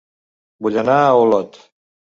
Vull anar a Olot